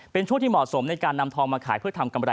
เป็นช่วงที่เหมาะสมในการนำทองมาขายเพื่อทำกำไร